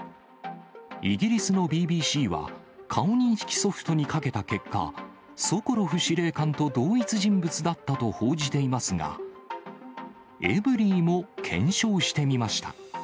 イギリスのＢＢＣは、顔認識ソフトにかけた結果、ソコロフ司令官と同一人物だったと報じていますが、エブリィも検証してみました。